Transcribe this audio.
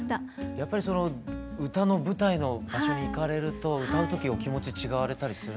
やっぱり歌の舞台の場所に行かれると歌う時お気持ち違われたりするんですか？